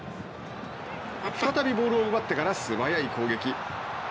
再びボールを奪ってから素早い攻撃。